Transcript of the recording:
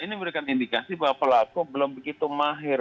ini memberikan indikasi bahwa pelaku belum begitu mahir